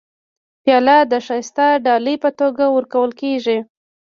پیاله د ښایسته ډالۍ په توګه ورکول کېږي.